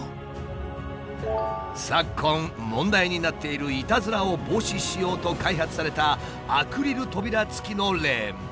昨今問題になっているいたずらを防止しようと開発されたアクリル扉付きのレーンも。